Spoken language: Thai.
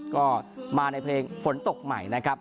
ก็มาในเพลงฝนตกใหม่นะครับ